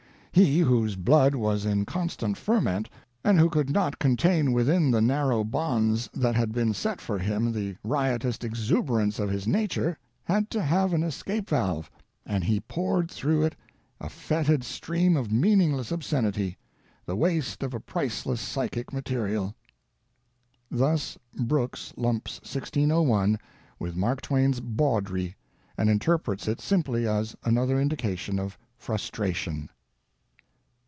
He, whose blood was in constant ferment and who could not contain within the narrow bonds that had been set for him the riotous exuberance of his nature, had to have an escape valve, and he poured through it a fetid stream of meaningless obscenity the waste of a priceless psychic material!" Thus, Brooks lumps 1601 with Mark Twain's "bawdry," and interprets it simply as another indication of frustration.